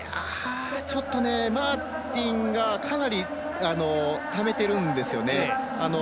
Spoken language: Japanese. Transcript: ちょっとマーティンがかなり、ためているんですよね。